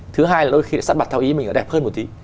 thứ hai là đôi khi sắt bật theo ý mình là đẹp hơn một tí